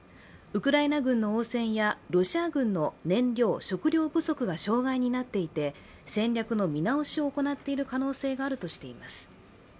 ウクライナ軍の応戦やロシア軍の燃料、食糧不足が障害になっていて戦略の見直しを行っている可能性があるとしています。